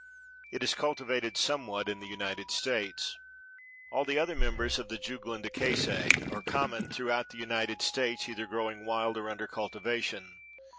It is cultivated somewhat in the United States. All the other members of the Juglandaceæ are common throughout the United States, either growing wild or under cultivation.